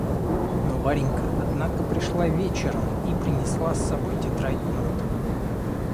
Но Варенька однако пришла вечером и принесла с собой тетрадь нот.